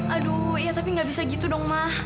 aduh ya tapi gak bisa gitu dong ma